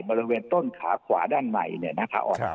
บริเวณต้นขาขวาด้านในเนี่ยนะฮะ